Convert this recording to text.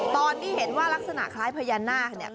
ตอนที่เห็นว่ารักษณะคล้ายพญานาค